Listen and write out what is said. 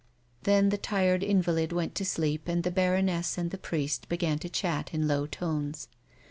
'I'hen the tired invalid went to sleep and the baroness and the priest began to chat in low tones.